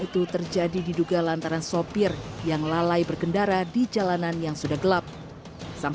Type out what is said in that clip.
itu terjadi diduga lantaran sopir yang lalai berkendara di jalanan yang sudah gelap sang